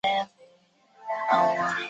母亲是萨克森人。